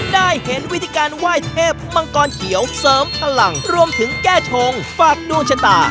ได้เห็นวิธีการไหว้เทพมังกรเขียวเสริมพลังรวมถึงแก้ชงฝากดวงชะตา